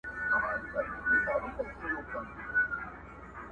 خر حیران وو چي سپی ولي معتبر دی،